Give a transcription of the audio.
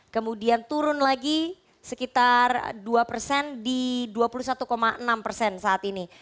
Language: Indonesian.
kemudian turun lagi sekitar dua di dua puluh satu enam